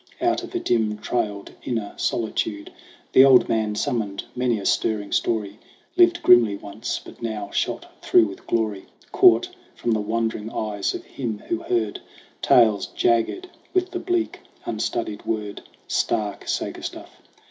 Out of a dim trailed inner solitude The old man summoned many a stirring story, Lived grimly once, but now shot through with glory Caught from the wondering eyes of him who heard Tales jagged with the bleak unstudied word, Stark saga stuff.